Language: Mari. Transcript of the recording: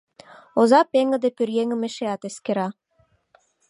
Оза пеҥгыде пӧръеҥым эшеат эскера.